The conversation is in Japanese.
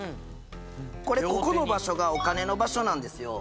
これここの場所がお金の場所なんですよ